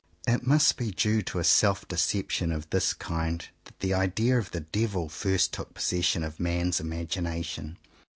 It must be due to a self deception of this kind that the idea of the Devil first took possession of man's imagination.